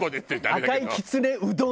赤いきつねうどん